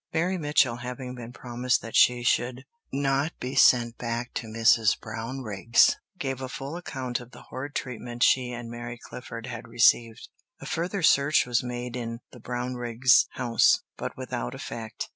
Mary Mitchell having been promised that she should not be sent back to Brownrigg's, gave a full account of the horrid treatment she and Mary Clifford had received. A further search was made in the Brownriggs' house, but without effect.